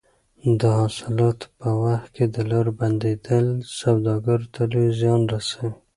د حاصلاتو په وخت کې د لارو بندېدل سوداګرو ته لوی زیان رسوي.